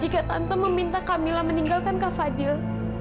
jika tante meminta kamila meninggalkan kapadil